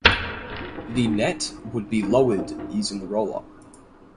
The net would be lowered using the roller.